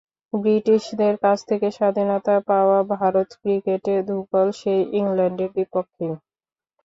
ব্রিটিশদের কাছ থেকে স্বাধীনতা পাওয়া ভারত ক্রিকেটে ধুঁকল সেই ইংল্যান্ডের বিপক্ষেই।